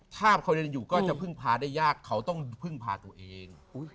ถ้าเขายังอยู่ก็จะพึ่งพาได้ยากเขาต้องพึ่งพาตัวเอง